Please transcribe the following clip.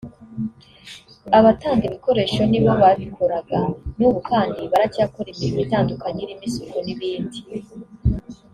abatanga ibikoresho ni bo babikoraga n’ubu kandi baracyakora imirimo itandukanye irimo isuku n’ibindi